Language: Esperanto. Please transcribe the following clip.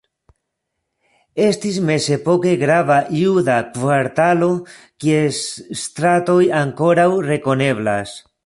Estis mezepoke grava juda kvartalo, kies stratoj ankoraŭ rekoneblas.